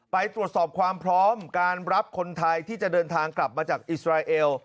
ไปตรวจสอบความพร้อมการรับคนไทยที่จะเดินทางกลับมาจากอิสราเอล